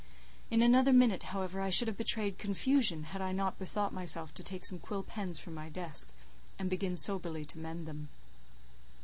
In another minute, however, I should have betrayed confusion, had I not bethought myself to take some quill pens from my desk, and begin soberly to mend them.